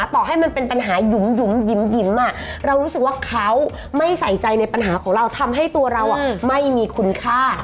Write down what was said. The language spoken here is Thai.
ต่อให้มันเป็นปัญหาหยุ่มหยิมเรารู้สึกว่าเขาไม่ใส่ใจในปัญหาของเราทำให้ตัวเราไม่มีคุณค่า